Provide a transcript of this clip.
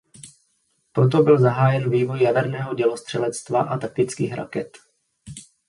Proto byl zahájen vývoj jaderného dělostřelectva a taktických raket.